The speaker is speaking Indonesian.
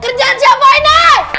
kerjaan siapa ini